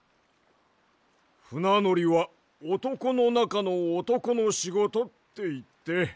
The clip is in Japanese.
ふなのりはおとこのなかのおとこのしごとっていってわるかった。